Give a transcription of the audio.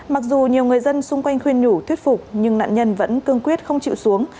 mặc dù nhiều người dân xung quanh khuyên nhủ thuyết phục nhưng nạn nhân vẫn cương quyết không chịu xuống